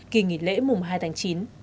kỳ nghỉ lễ mùng hai tháng chín